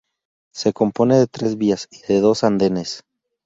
Se compone de tres vías y de dos andenes.